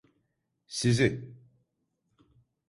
Sizi!